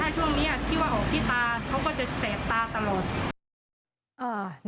แต่ว่าถ้าช่วงนี้ที่ว่าออกที่ตาเขาก็จะเศษตาตลอด